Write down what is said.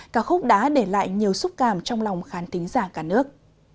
cả khúc đã để lại nhiều xúc cảm trong lòng khán tính giả cả nước